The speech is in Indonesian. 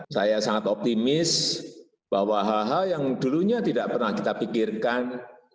saya sangat optimis bahwa hal hal yang dulunya tidak pernah kita pikirkan